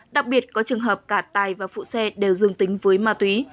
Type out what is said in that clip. đặc biệt có trường hợp cả tài và phụ xe đều dương tính với ma túy